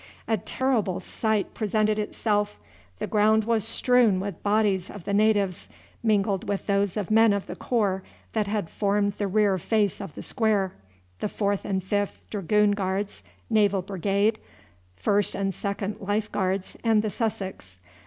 A terrible sight presented itself. The ground was strewn with bodies of the natives, mingled with those of men of the corps that had formed the rear face of the square, the 4th and 5th Dragoon Guards, Naval Brigade, 1st and 2d Life Guards, and the Sussex.